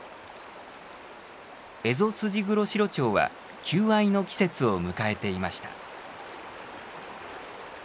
エゾスジグロシロチョウは求愛の季節を迎えていました。